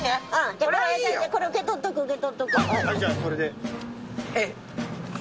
じゃあこれで。